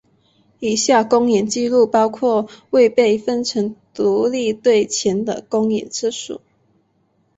以下公演记录包括未被分成独立队前的公演次数。